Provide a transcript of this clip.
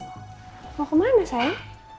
aku mau ketemu sama teman aku